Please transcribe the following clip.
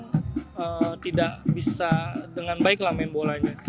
ee tidak bisa dengan baik lah main bolanya